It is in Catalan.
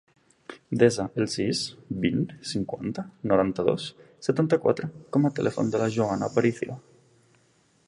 Desa el sis, vint, cinquanta, noranta-dos, setanta-quatre com a telèfon de la Joana Aparicio.